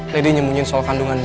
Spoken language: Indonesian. ladies nyembunyikan soal kandungannya